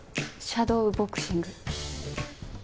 シャドーボクシング？